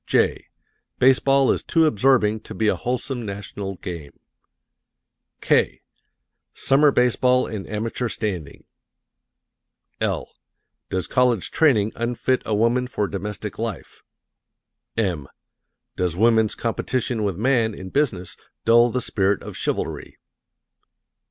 '" (j) "Baseball is too Absorbing to be a Wholesome National Game;" (k) "Summer Baseball and Amateur Standing;" (l) "Does College Training Unfit a Woman for Domestic Life?" (m) "Does Woman's Competition with Man in Business Dull the Spirit of Chivalry?"